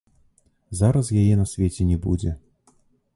Зараз яе на свеце не будзе.